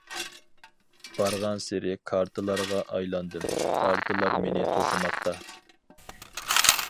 بارغانسېرى كارتىلارغا ئايلاندىم، كارتىلار مېنى توشۇماقتا.